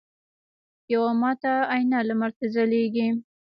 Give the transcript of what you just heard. یوه ماته آینه لمر ته ځلیږي